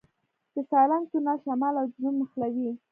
د سالنګ تونل شمال او جنوب نښلوي